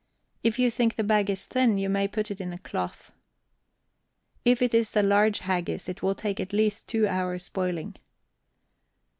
If you think the bag is thin, you may put it in a cloth. If it is a large haggis, it will take at least two hours boiling.